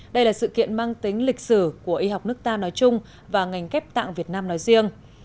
đây là sự kiện mang tính lịch sử của y học nước ta nói chung và ngành ghép tạng việt nam nói riêng